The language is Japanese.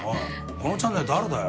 このチャンネエ誰だよ？